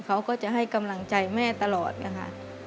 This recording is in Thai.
เขาก็จะให้กำลังใจแม่ตลอดนะคะ